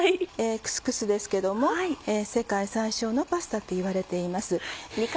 クスクスですけども世界最小のパスタっていわれています。